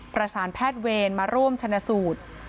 ประสานแพทย์เวรมาร่วมชนะสูตร